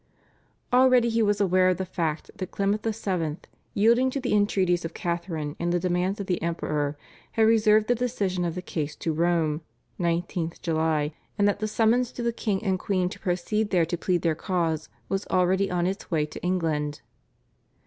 Already he was aware of the fact that Clement VII., yielding to the entreaties of Catharine and the demands of the Emperor, had reserved the decision of the case to Rome (19th July), and that the summons to the king and queen to proceed there to plead their cause was already on its way to England.